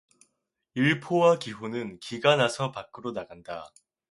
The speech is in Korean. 일포와 기호는 기가 나서 밖으로 나간다.